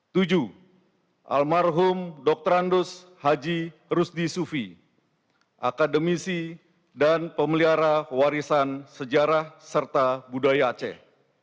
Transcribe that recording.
tujuh almarhum dr randus haji rusdi sufi akademisi dan pemelihara warisan sejarah serta budaya aceh